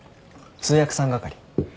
通訳さん係。